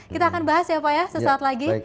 kita akan bahas ya pak ya sesaat lagi